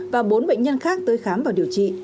và bốn bệnh nhân khác tới khám và điều trị